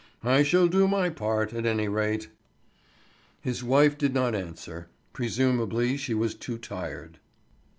I shall do my part, at any rate." His wife did not answer: presumably she was too tired.